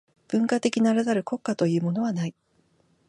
文化的ならざる国家というものはない。